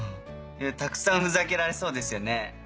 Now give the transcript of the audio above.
たくさんふざけられそうですよね。